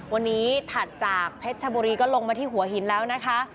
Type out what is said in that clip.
วันนี้ถัดจากเพชรชบุรีก็ลงมาที่หัวหินแล้วนะคะ